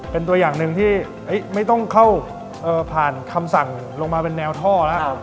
เป็นตัวอย่างหนึ่งที่ไม่ต้องเข้าผ่านคำสั่งลงมาเป็นแนวท่อแล้ว